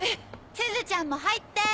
すずちゃんも入って！